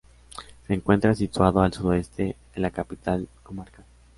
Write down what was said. Se encuentra situado al sudoeste de la capital comarcal.